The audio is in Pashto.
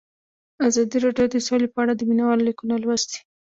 ازادي راډیو د سوله په اړه د مینه والو لیکونه لوستي.